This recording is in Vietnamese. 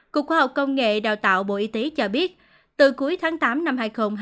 cục khoa học công nghệ đào tạo bộ y tế cho biết từ cuối tháng tám năm hai nghìn hai mươi